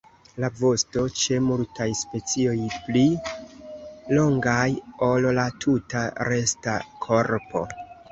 La vosto ĉe multaj specioj pli longas ol la tuta resta korpo.